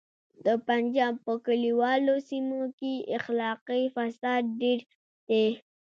د پنجاب په کلیوالو سیمو کې اخلاقي فساد ډیر دی